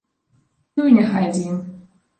Ну, і няхай з ім.